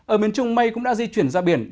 ở miền trung mây cũng đã di chuyển ra biển